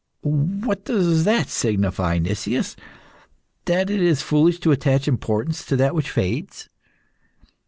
"What does that signify, Nicias? That it is foolish to attach importance to that which fades?"